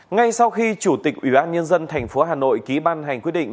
ngay sau khi chủ tịch ủy ban nhân dân thành phố hà nội ký ban hành quyết định